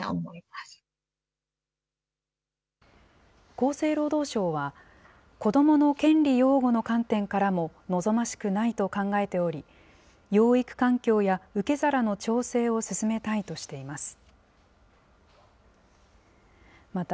厚生労働省は、子どもの権利擁護の観点からも望ましくないと考えており、養育環境や受け皿の調整を進めたいとしています。